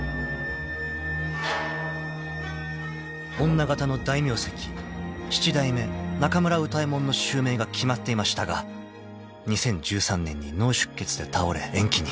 ［女形の大名跡七代目中村歌右衛門の襲名が決まっていましたが２０１３年に脳出血で倒れ延期に］